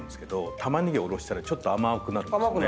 玉ねぎはおろしたらちょっと甘くなるんですね。